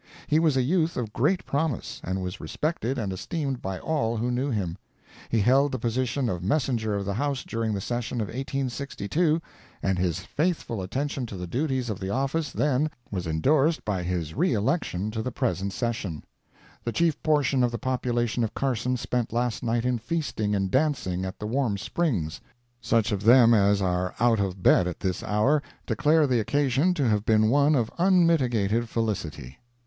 He was a youth of great promise, and was respected and esteemed by all who knew him. He held the position of Messenger of the House during the session of 1862, and his faithful attention to the duties of the office then was endorsed by his re election the present session. The chief portion of the population of Carson spent last night in feasting and dancing at the Warm Springs. Such of them as are out of bed at this hour, declare the occasion to have been one of unmitigated felicity.